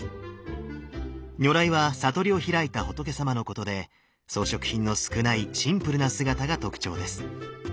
如来は悟りを開いた仏様のことで装飾品の少ないシンプルな姿が特徴です。